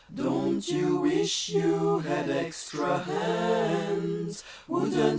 Don't you wish you had extra hands?